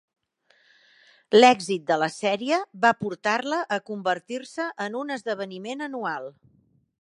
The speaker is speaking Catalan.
L'èxit de la sèrie va portar-la a convertir-se en un esdeveniment anual.